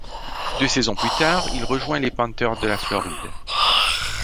Deux saisons plus tard, il rejoint les Panthers de la Floride.